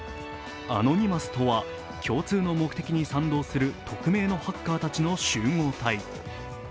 アノニマスとは共通の目的に賛同する匿名のハッカーたちの集合体。